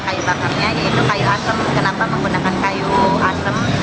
kayu bakarnya yaitu kayu asam kenapa menggunakan kayu asam